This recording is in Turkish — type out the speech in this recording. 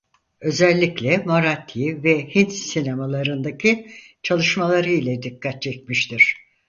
Özellikle Marathi ve Hint sinemasındaki çalışmaları ile dikkat çekmiştir.